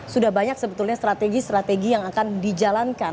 sudah banyak sebetulnya strategi strategi yang akan dijalankan